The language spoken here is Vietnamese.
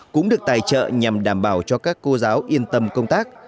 cũng được tài trợ nhằm đảm bảo cho các cô giáo yên tâm công tác